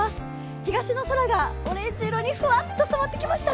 東の空がオレンジ色にふわっと染まってきましたね。